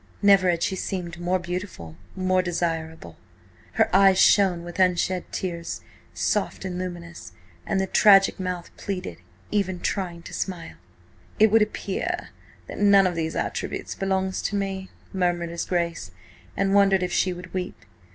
Never had she seemed more beautiful, more desirable. Her eyes shone with unshed tears, soft and luminous, and the tragic mouth pleaded, even trying to smile. "It would appear that none of these attributes belongs to me," murmured his Grace, and wondered if she would weep.